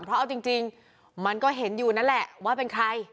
เพราะเอาจริงมันก็เห็นอยู่นั่นแหละว่าเป็นใคร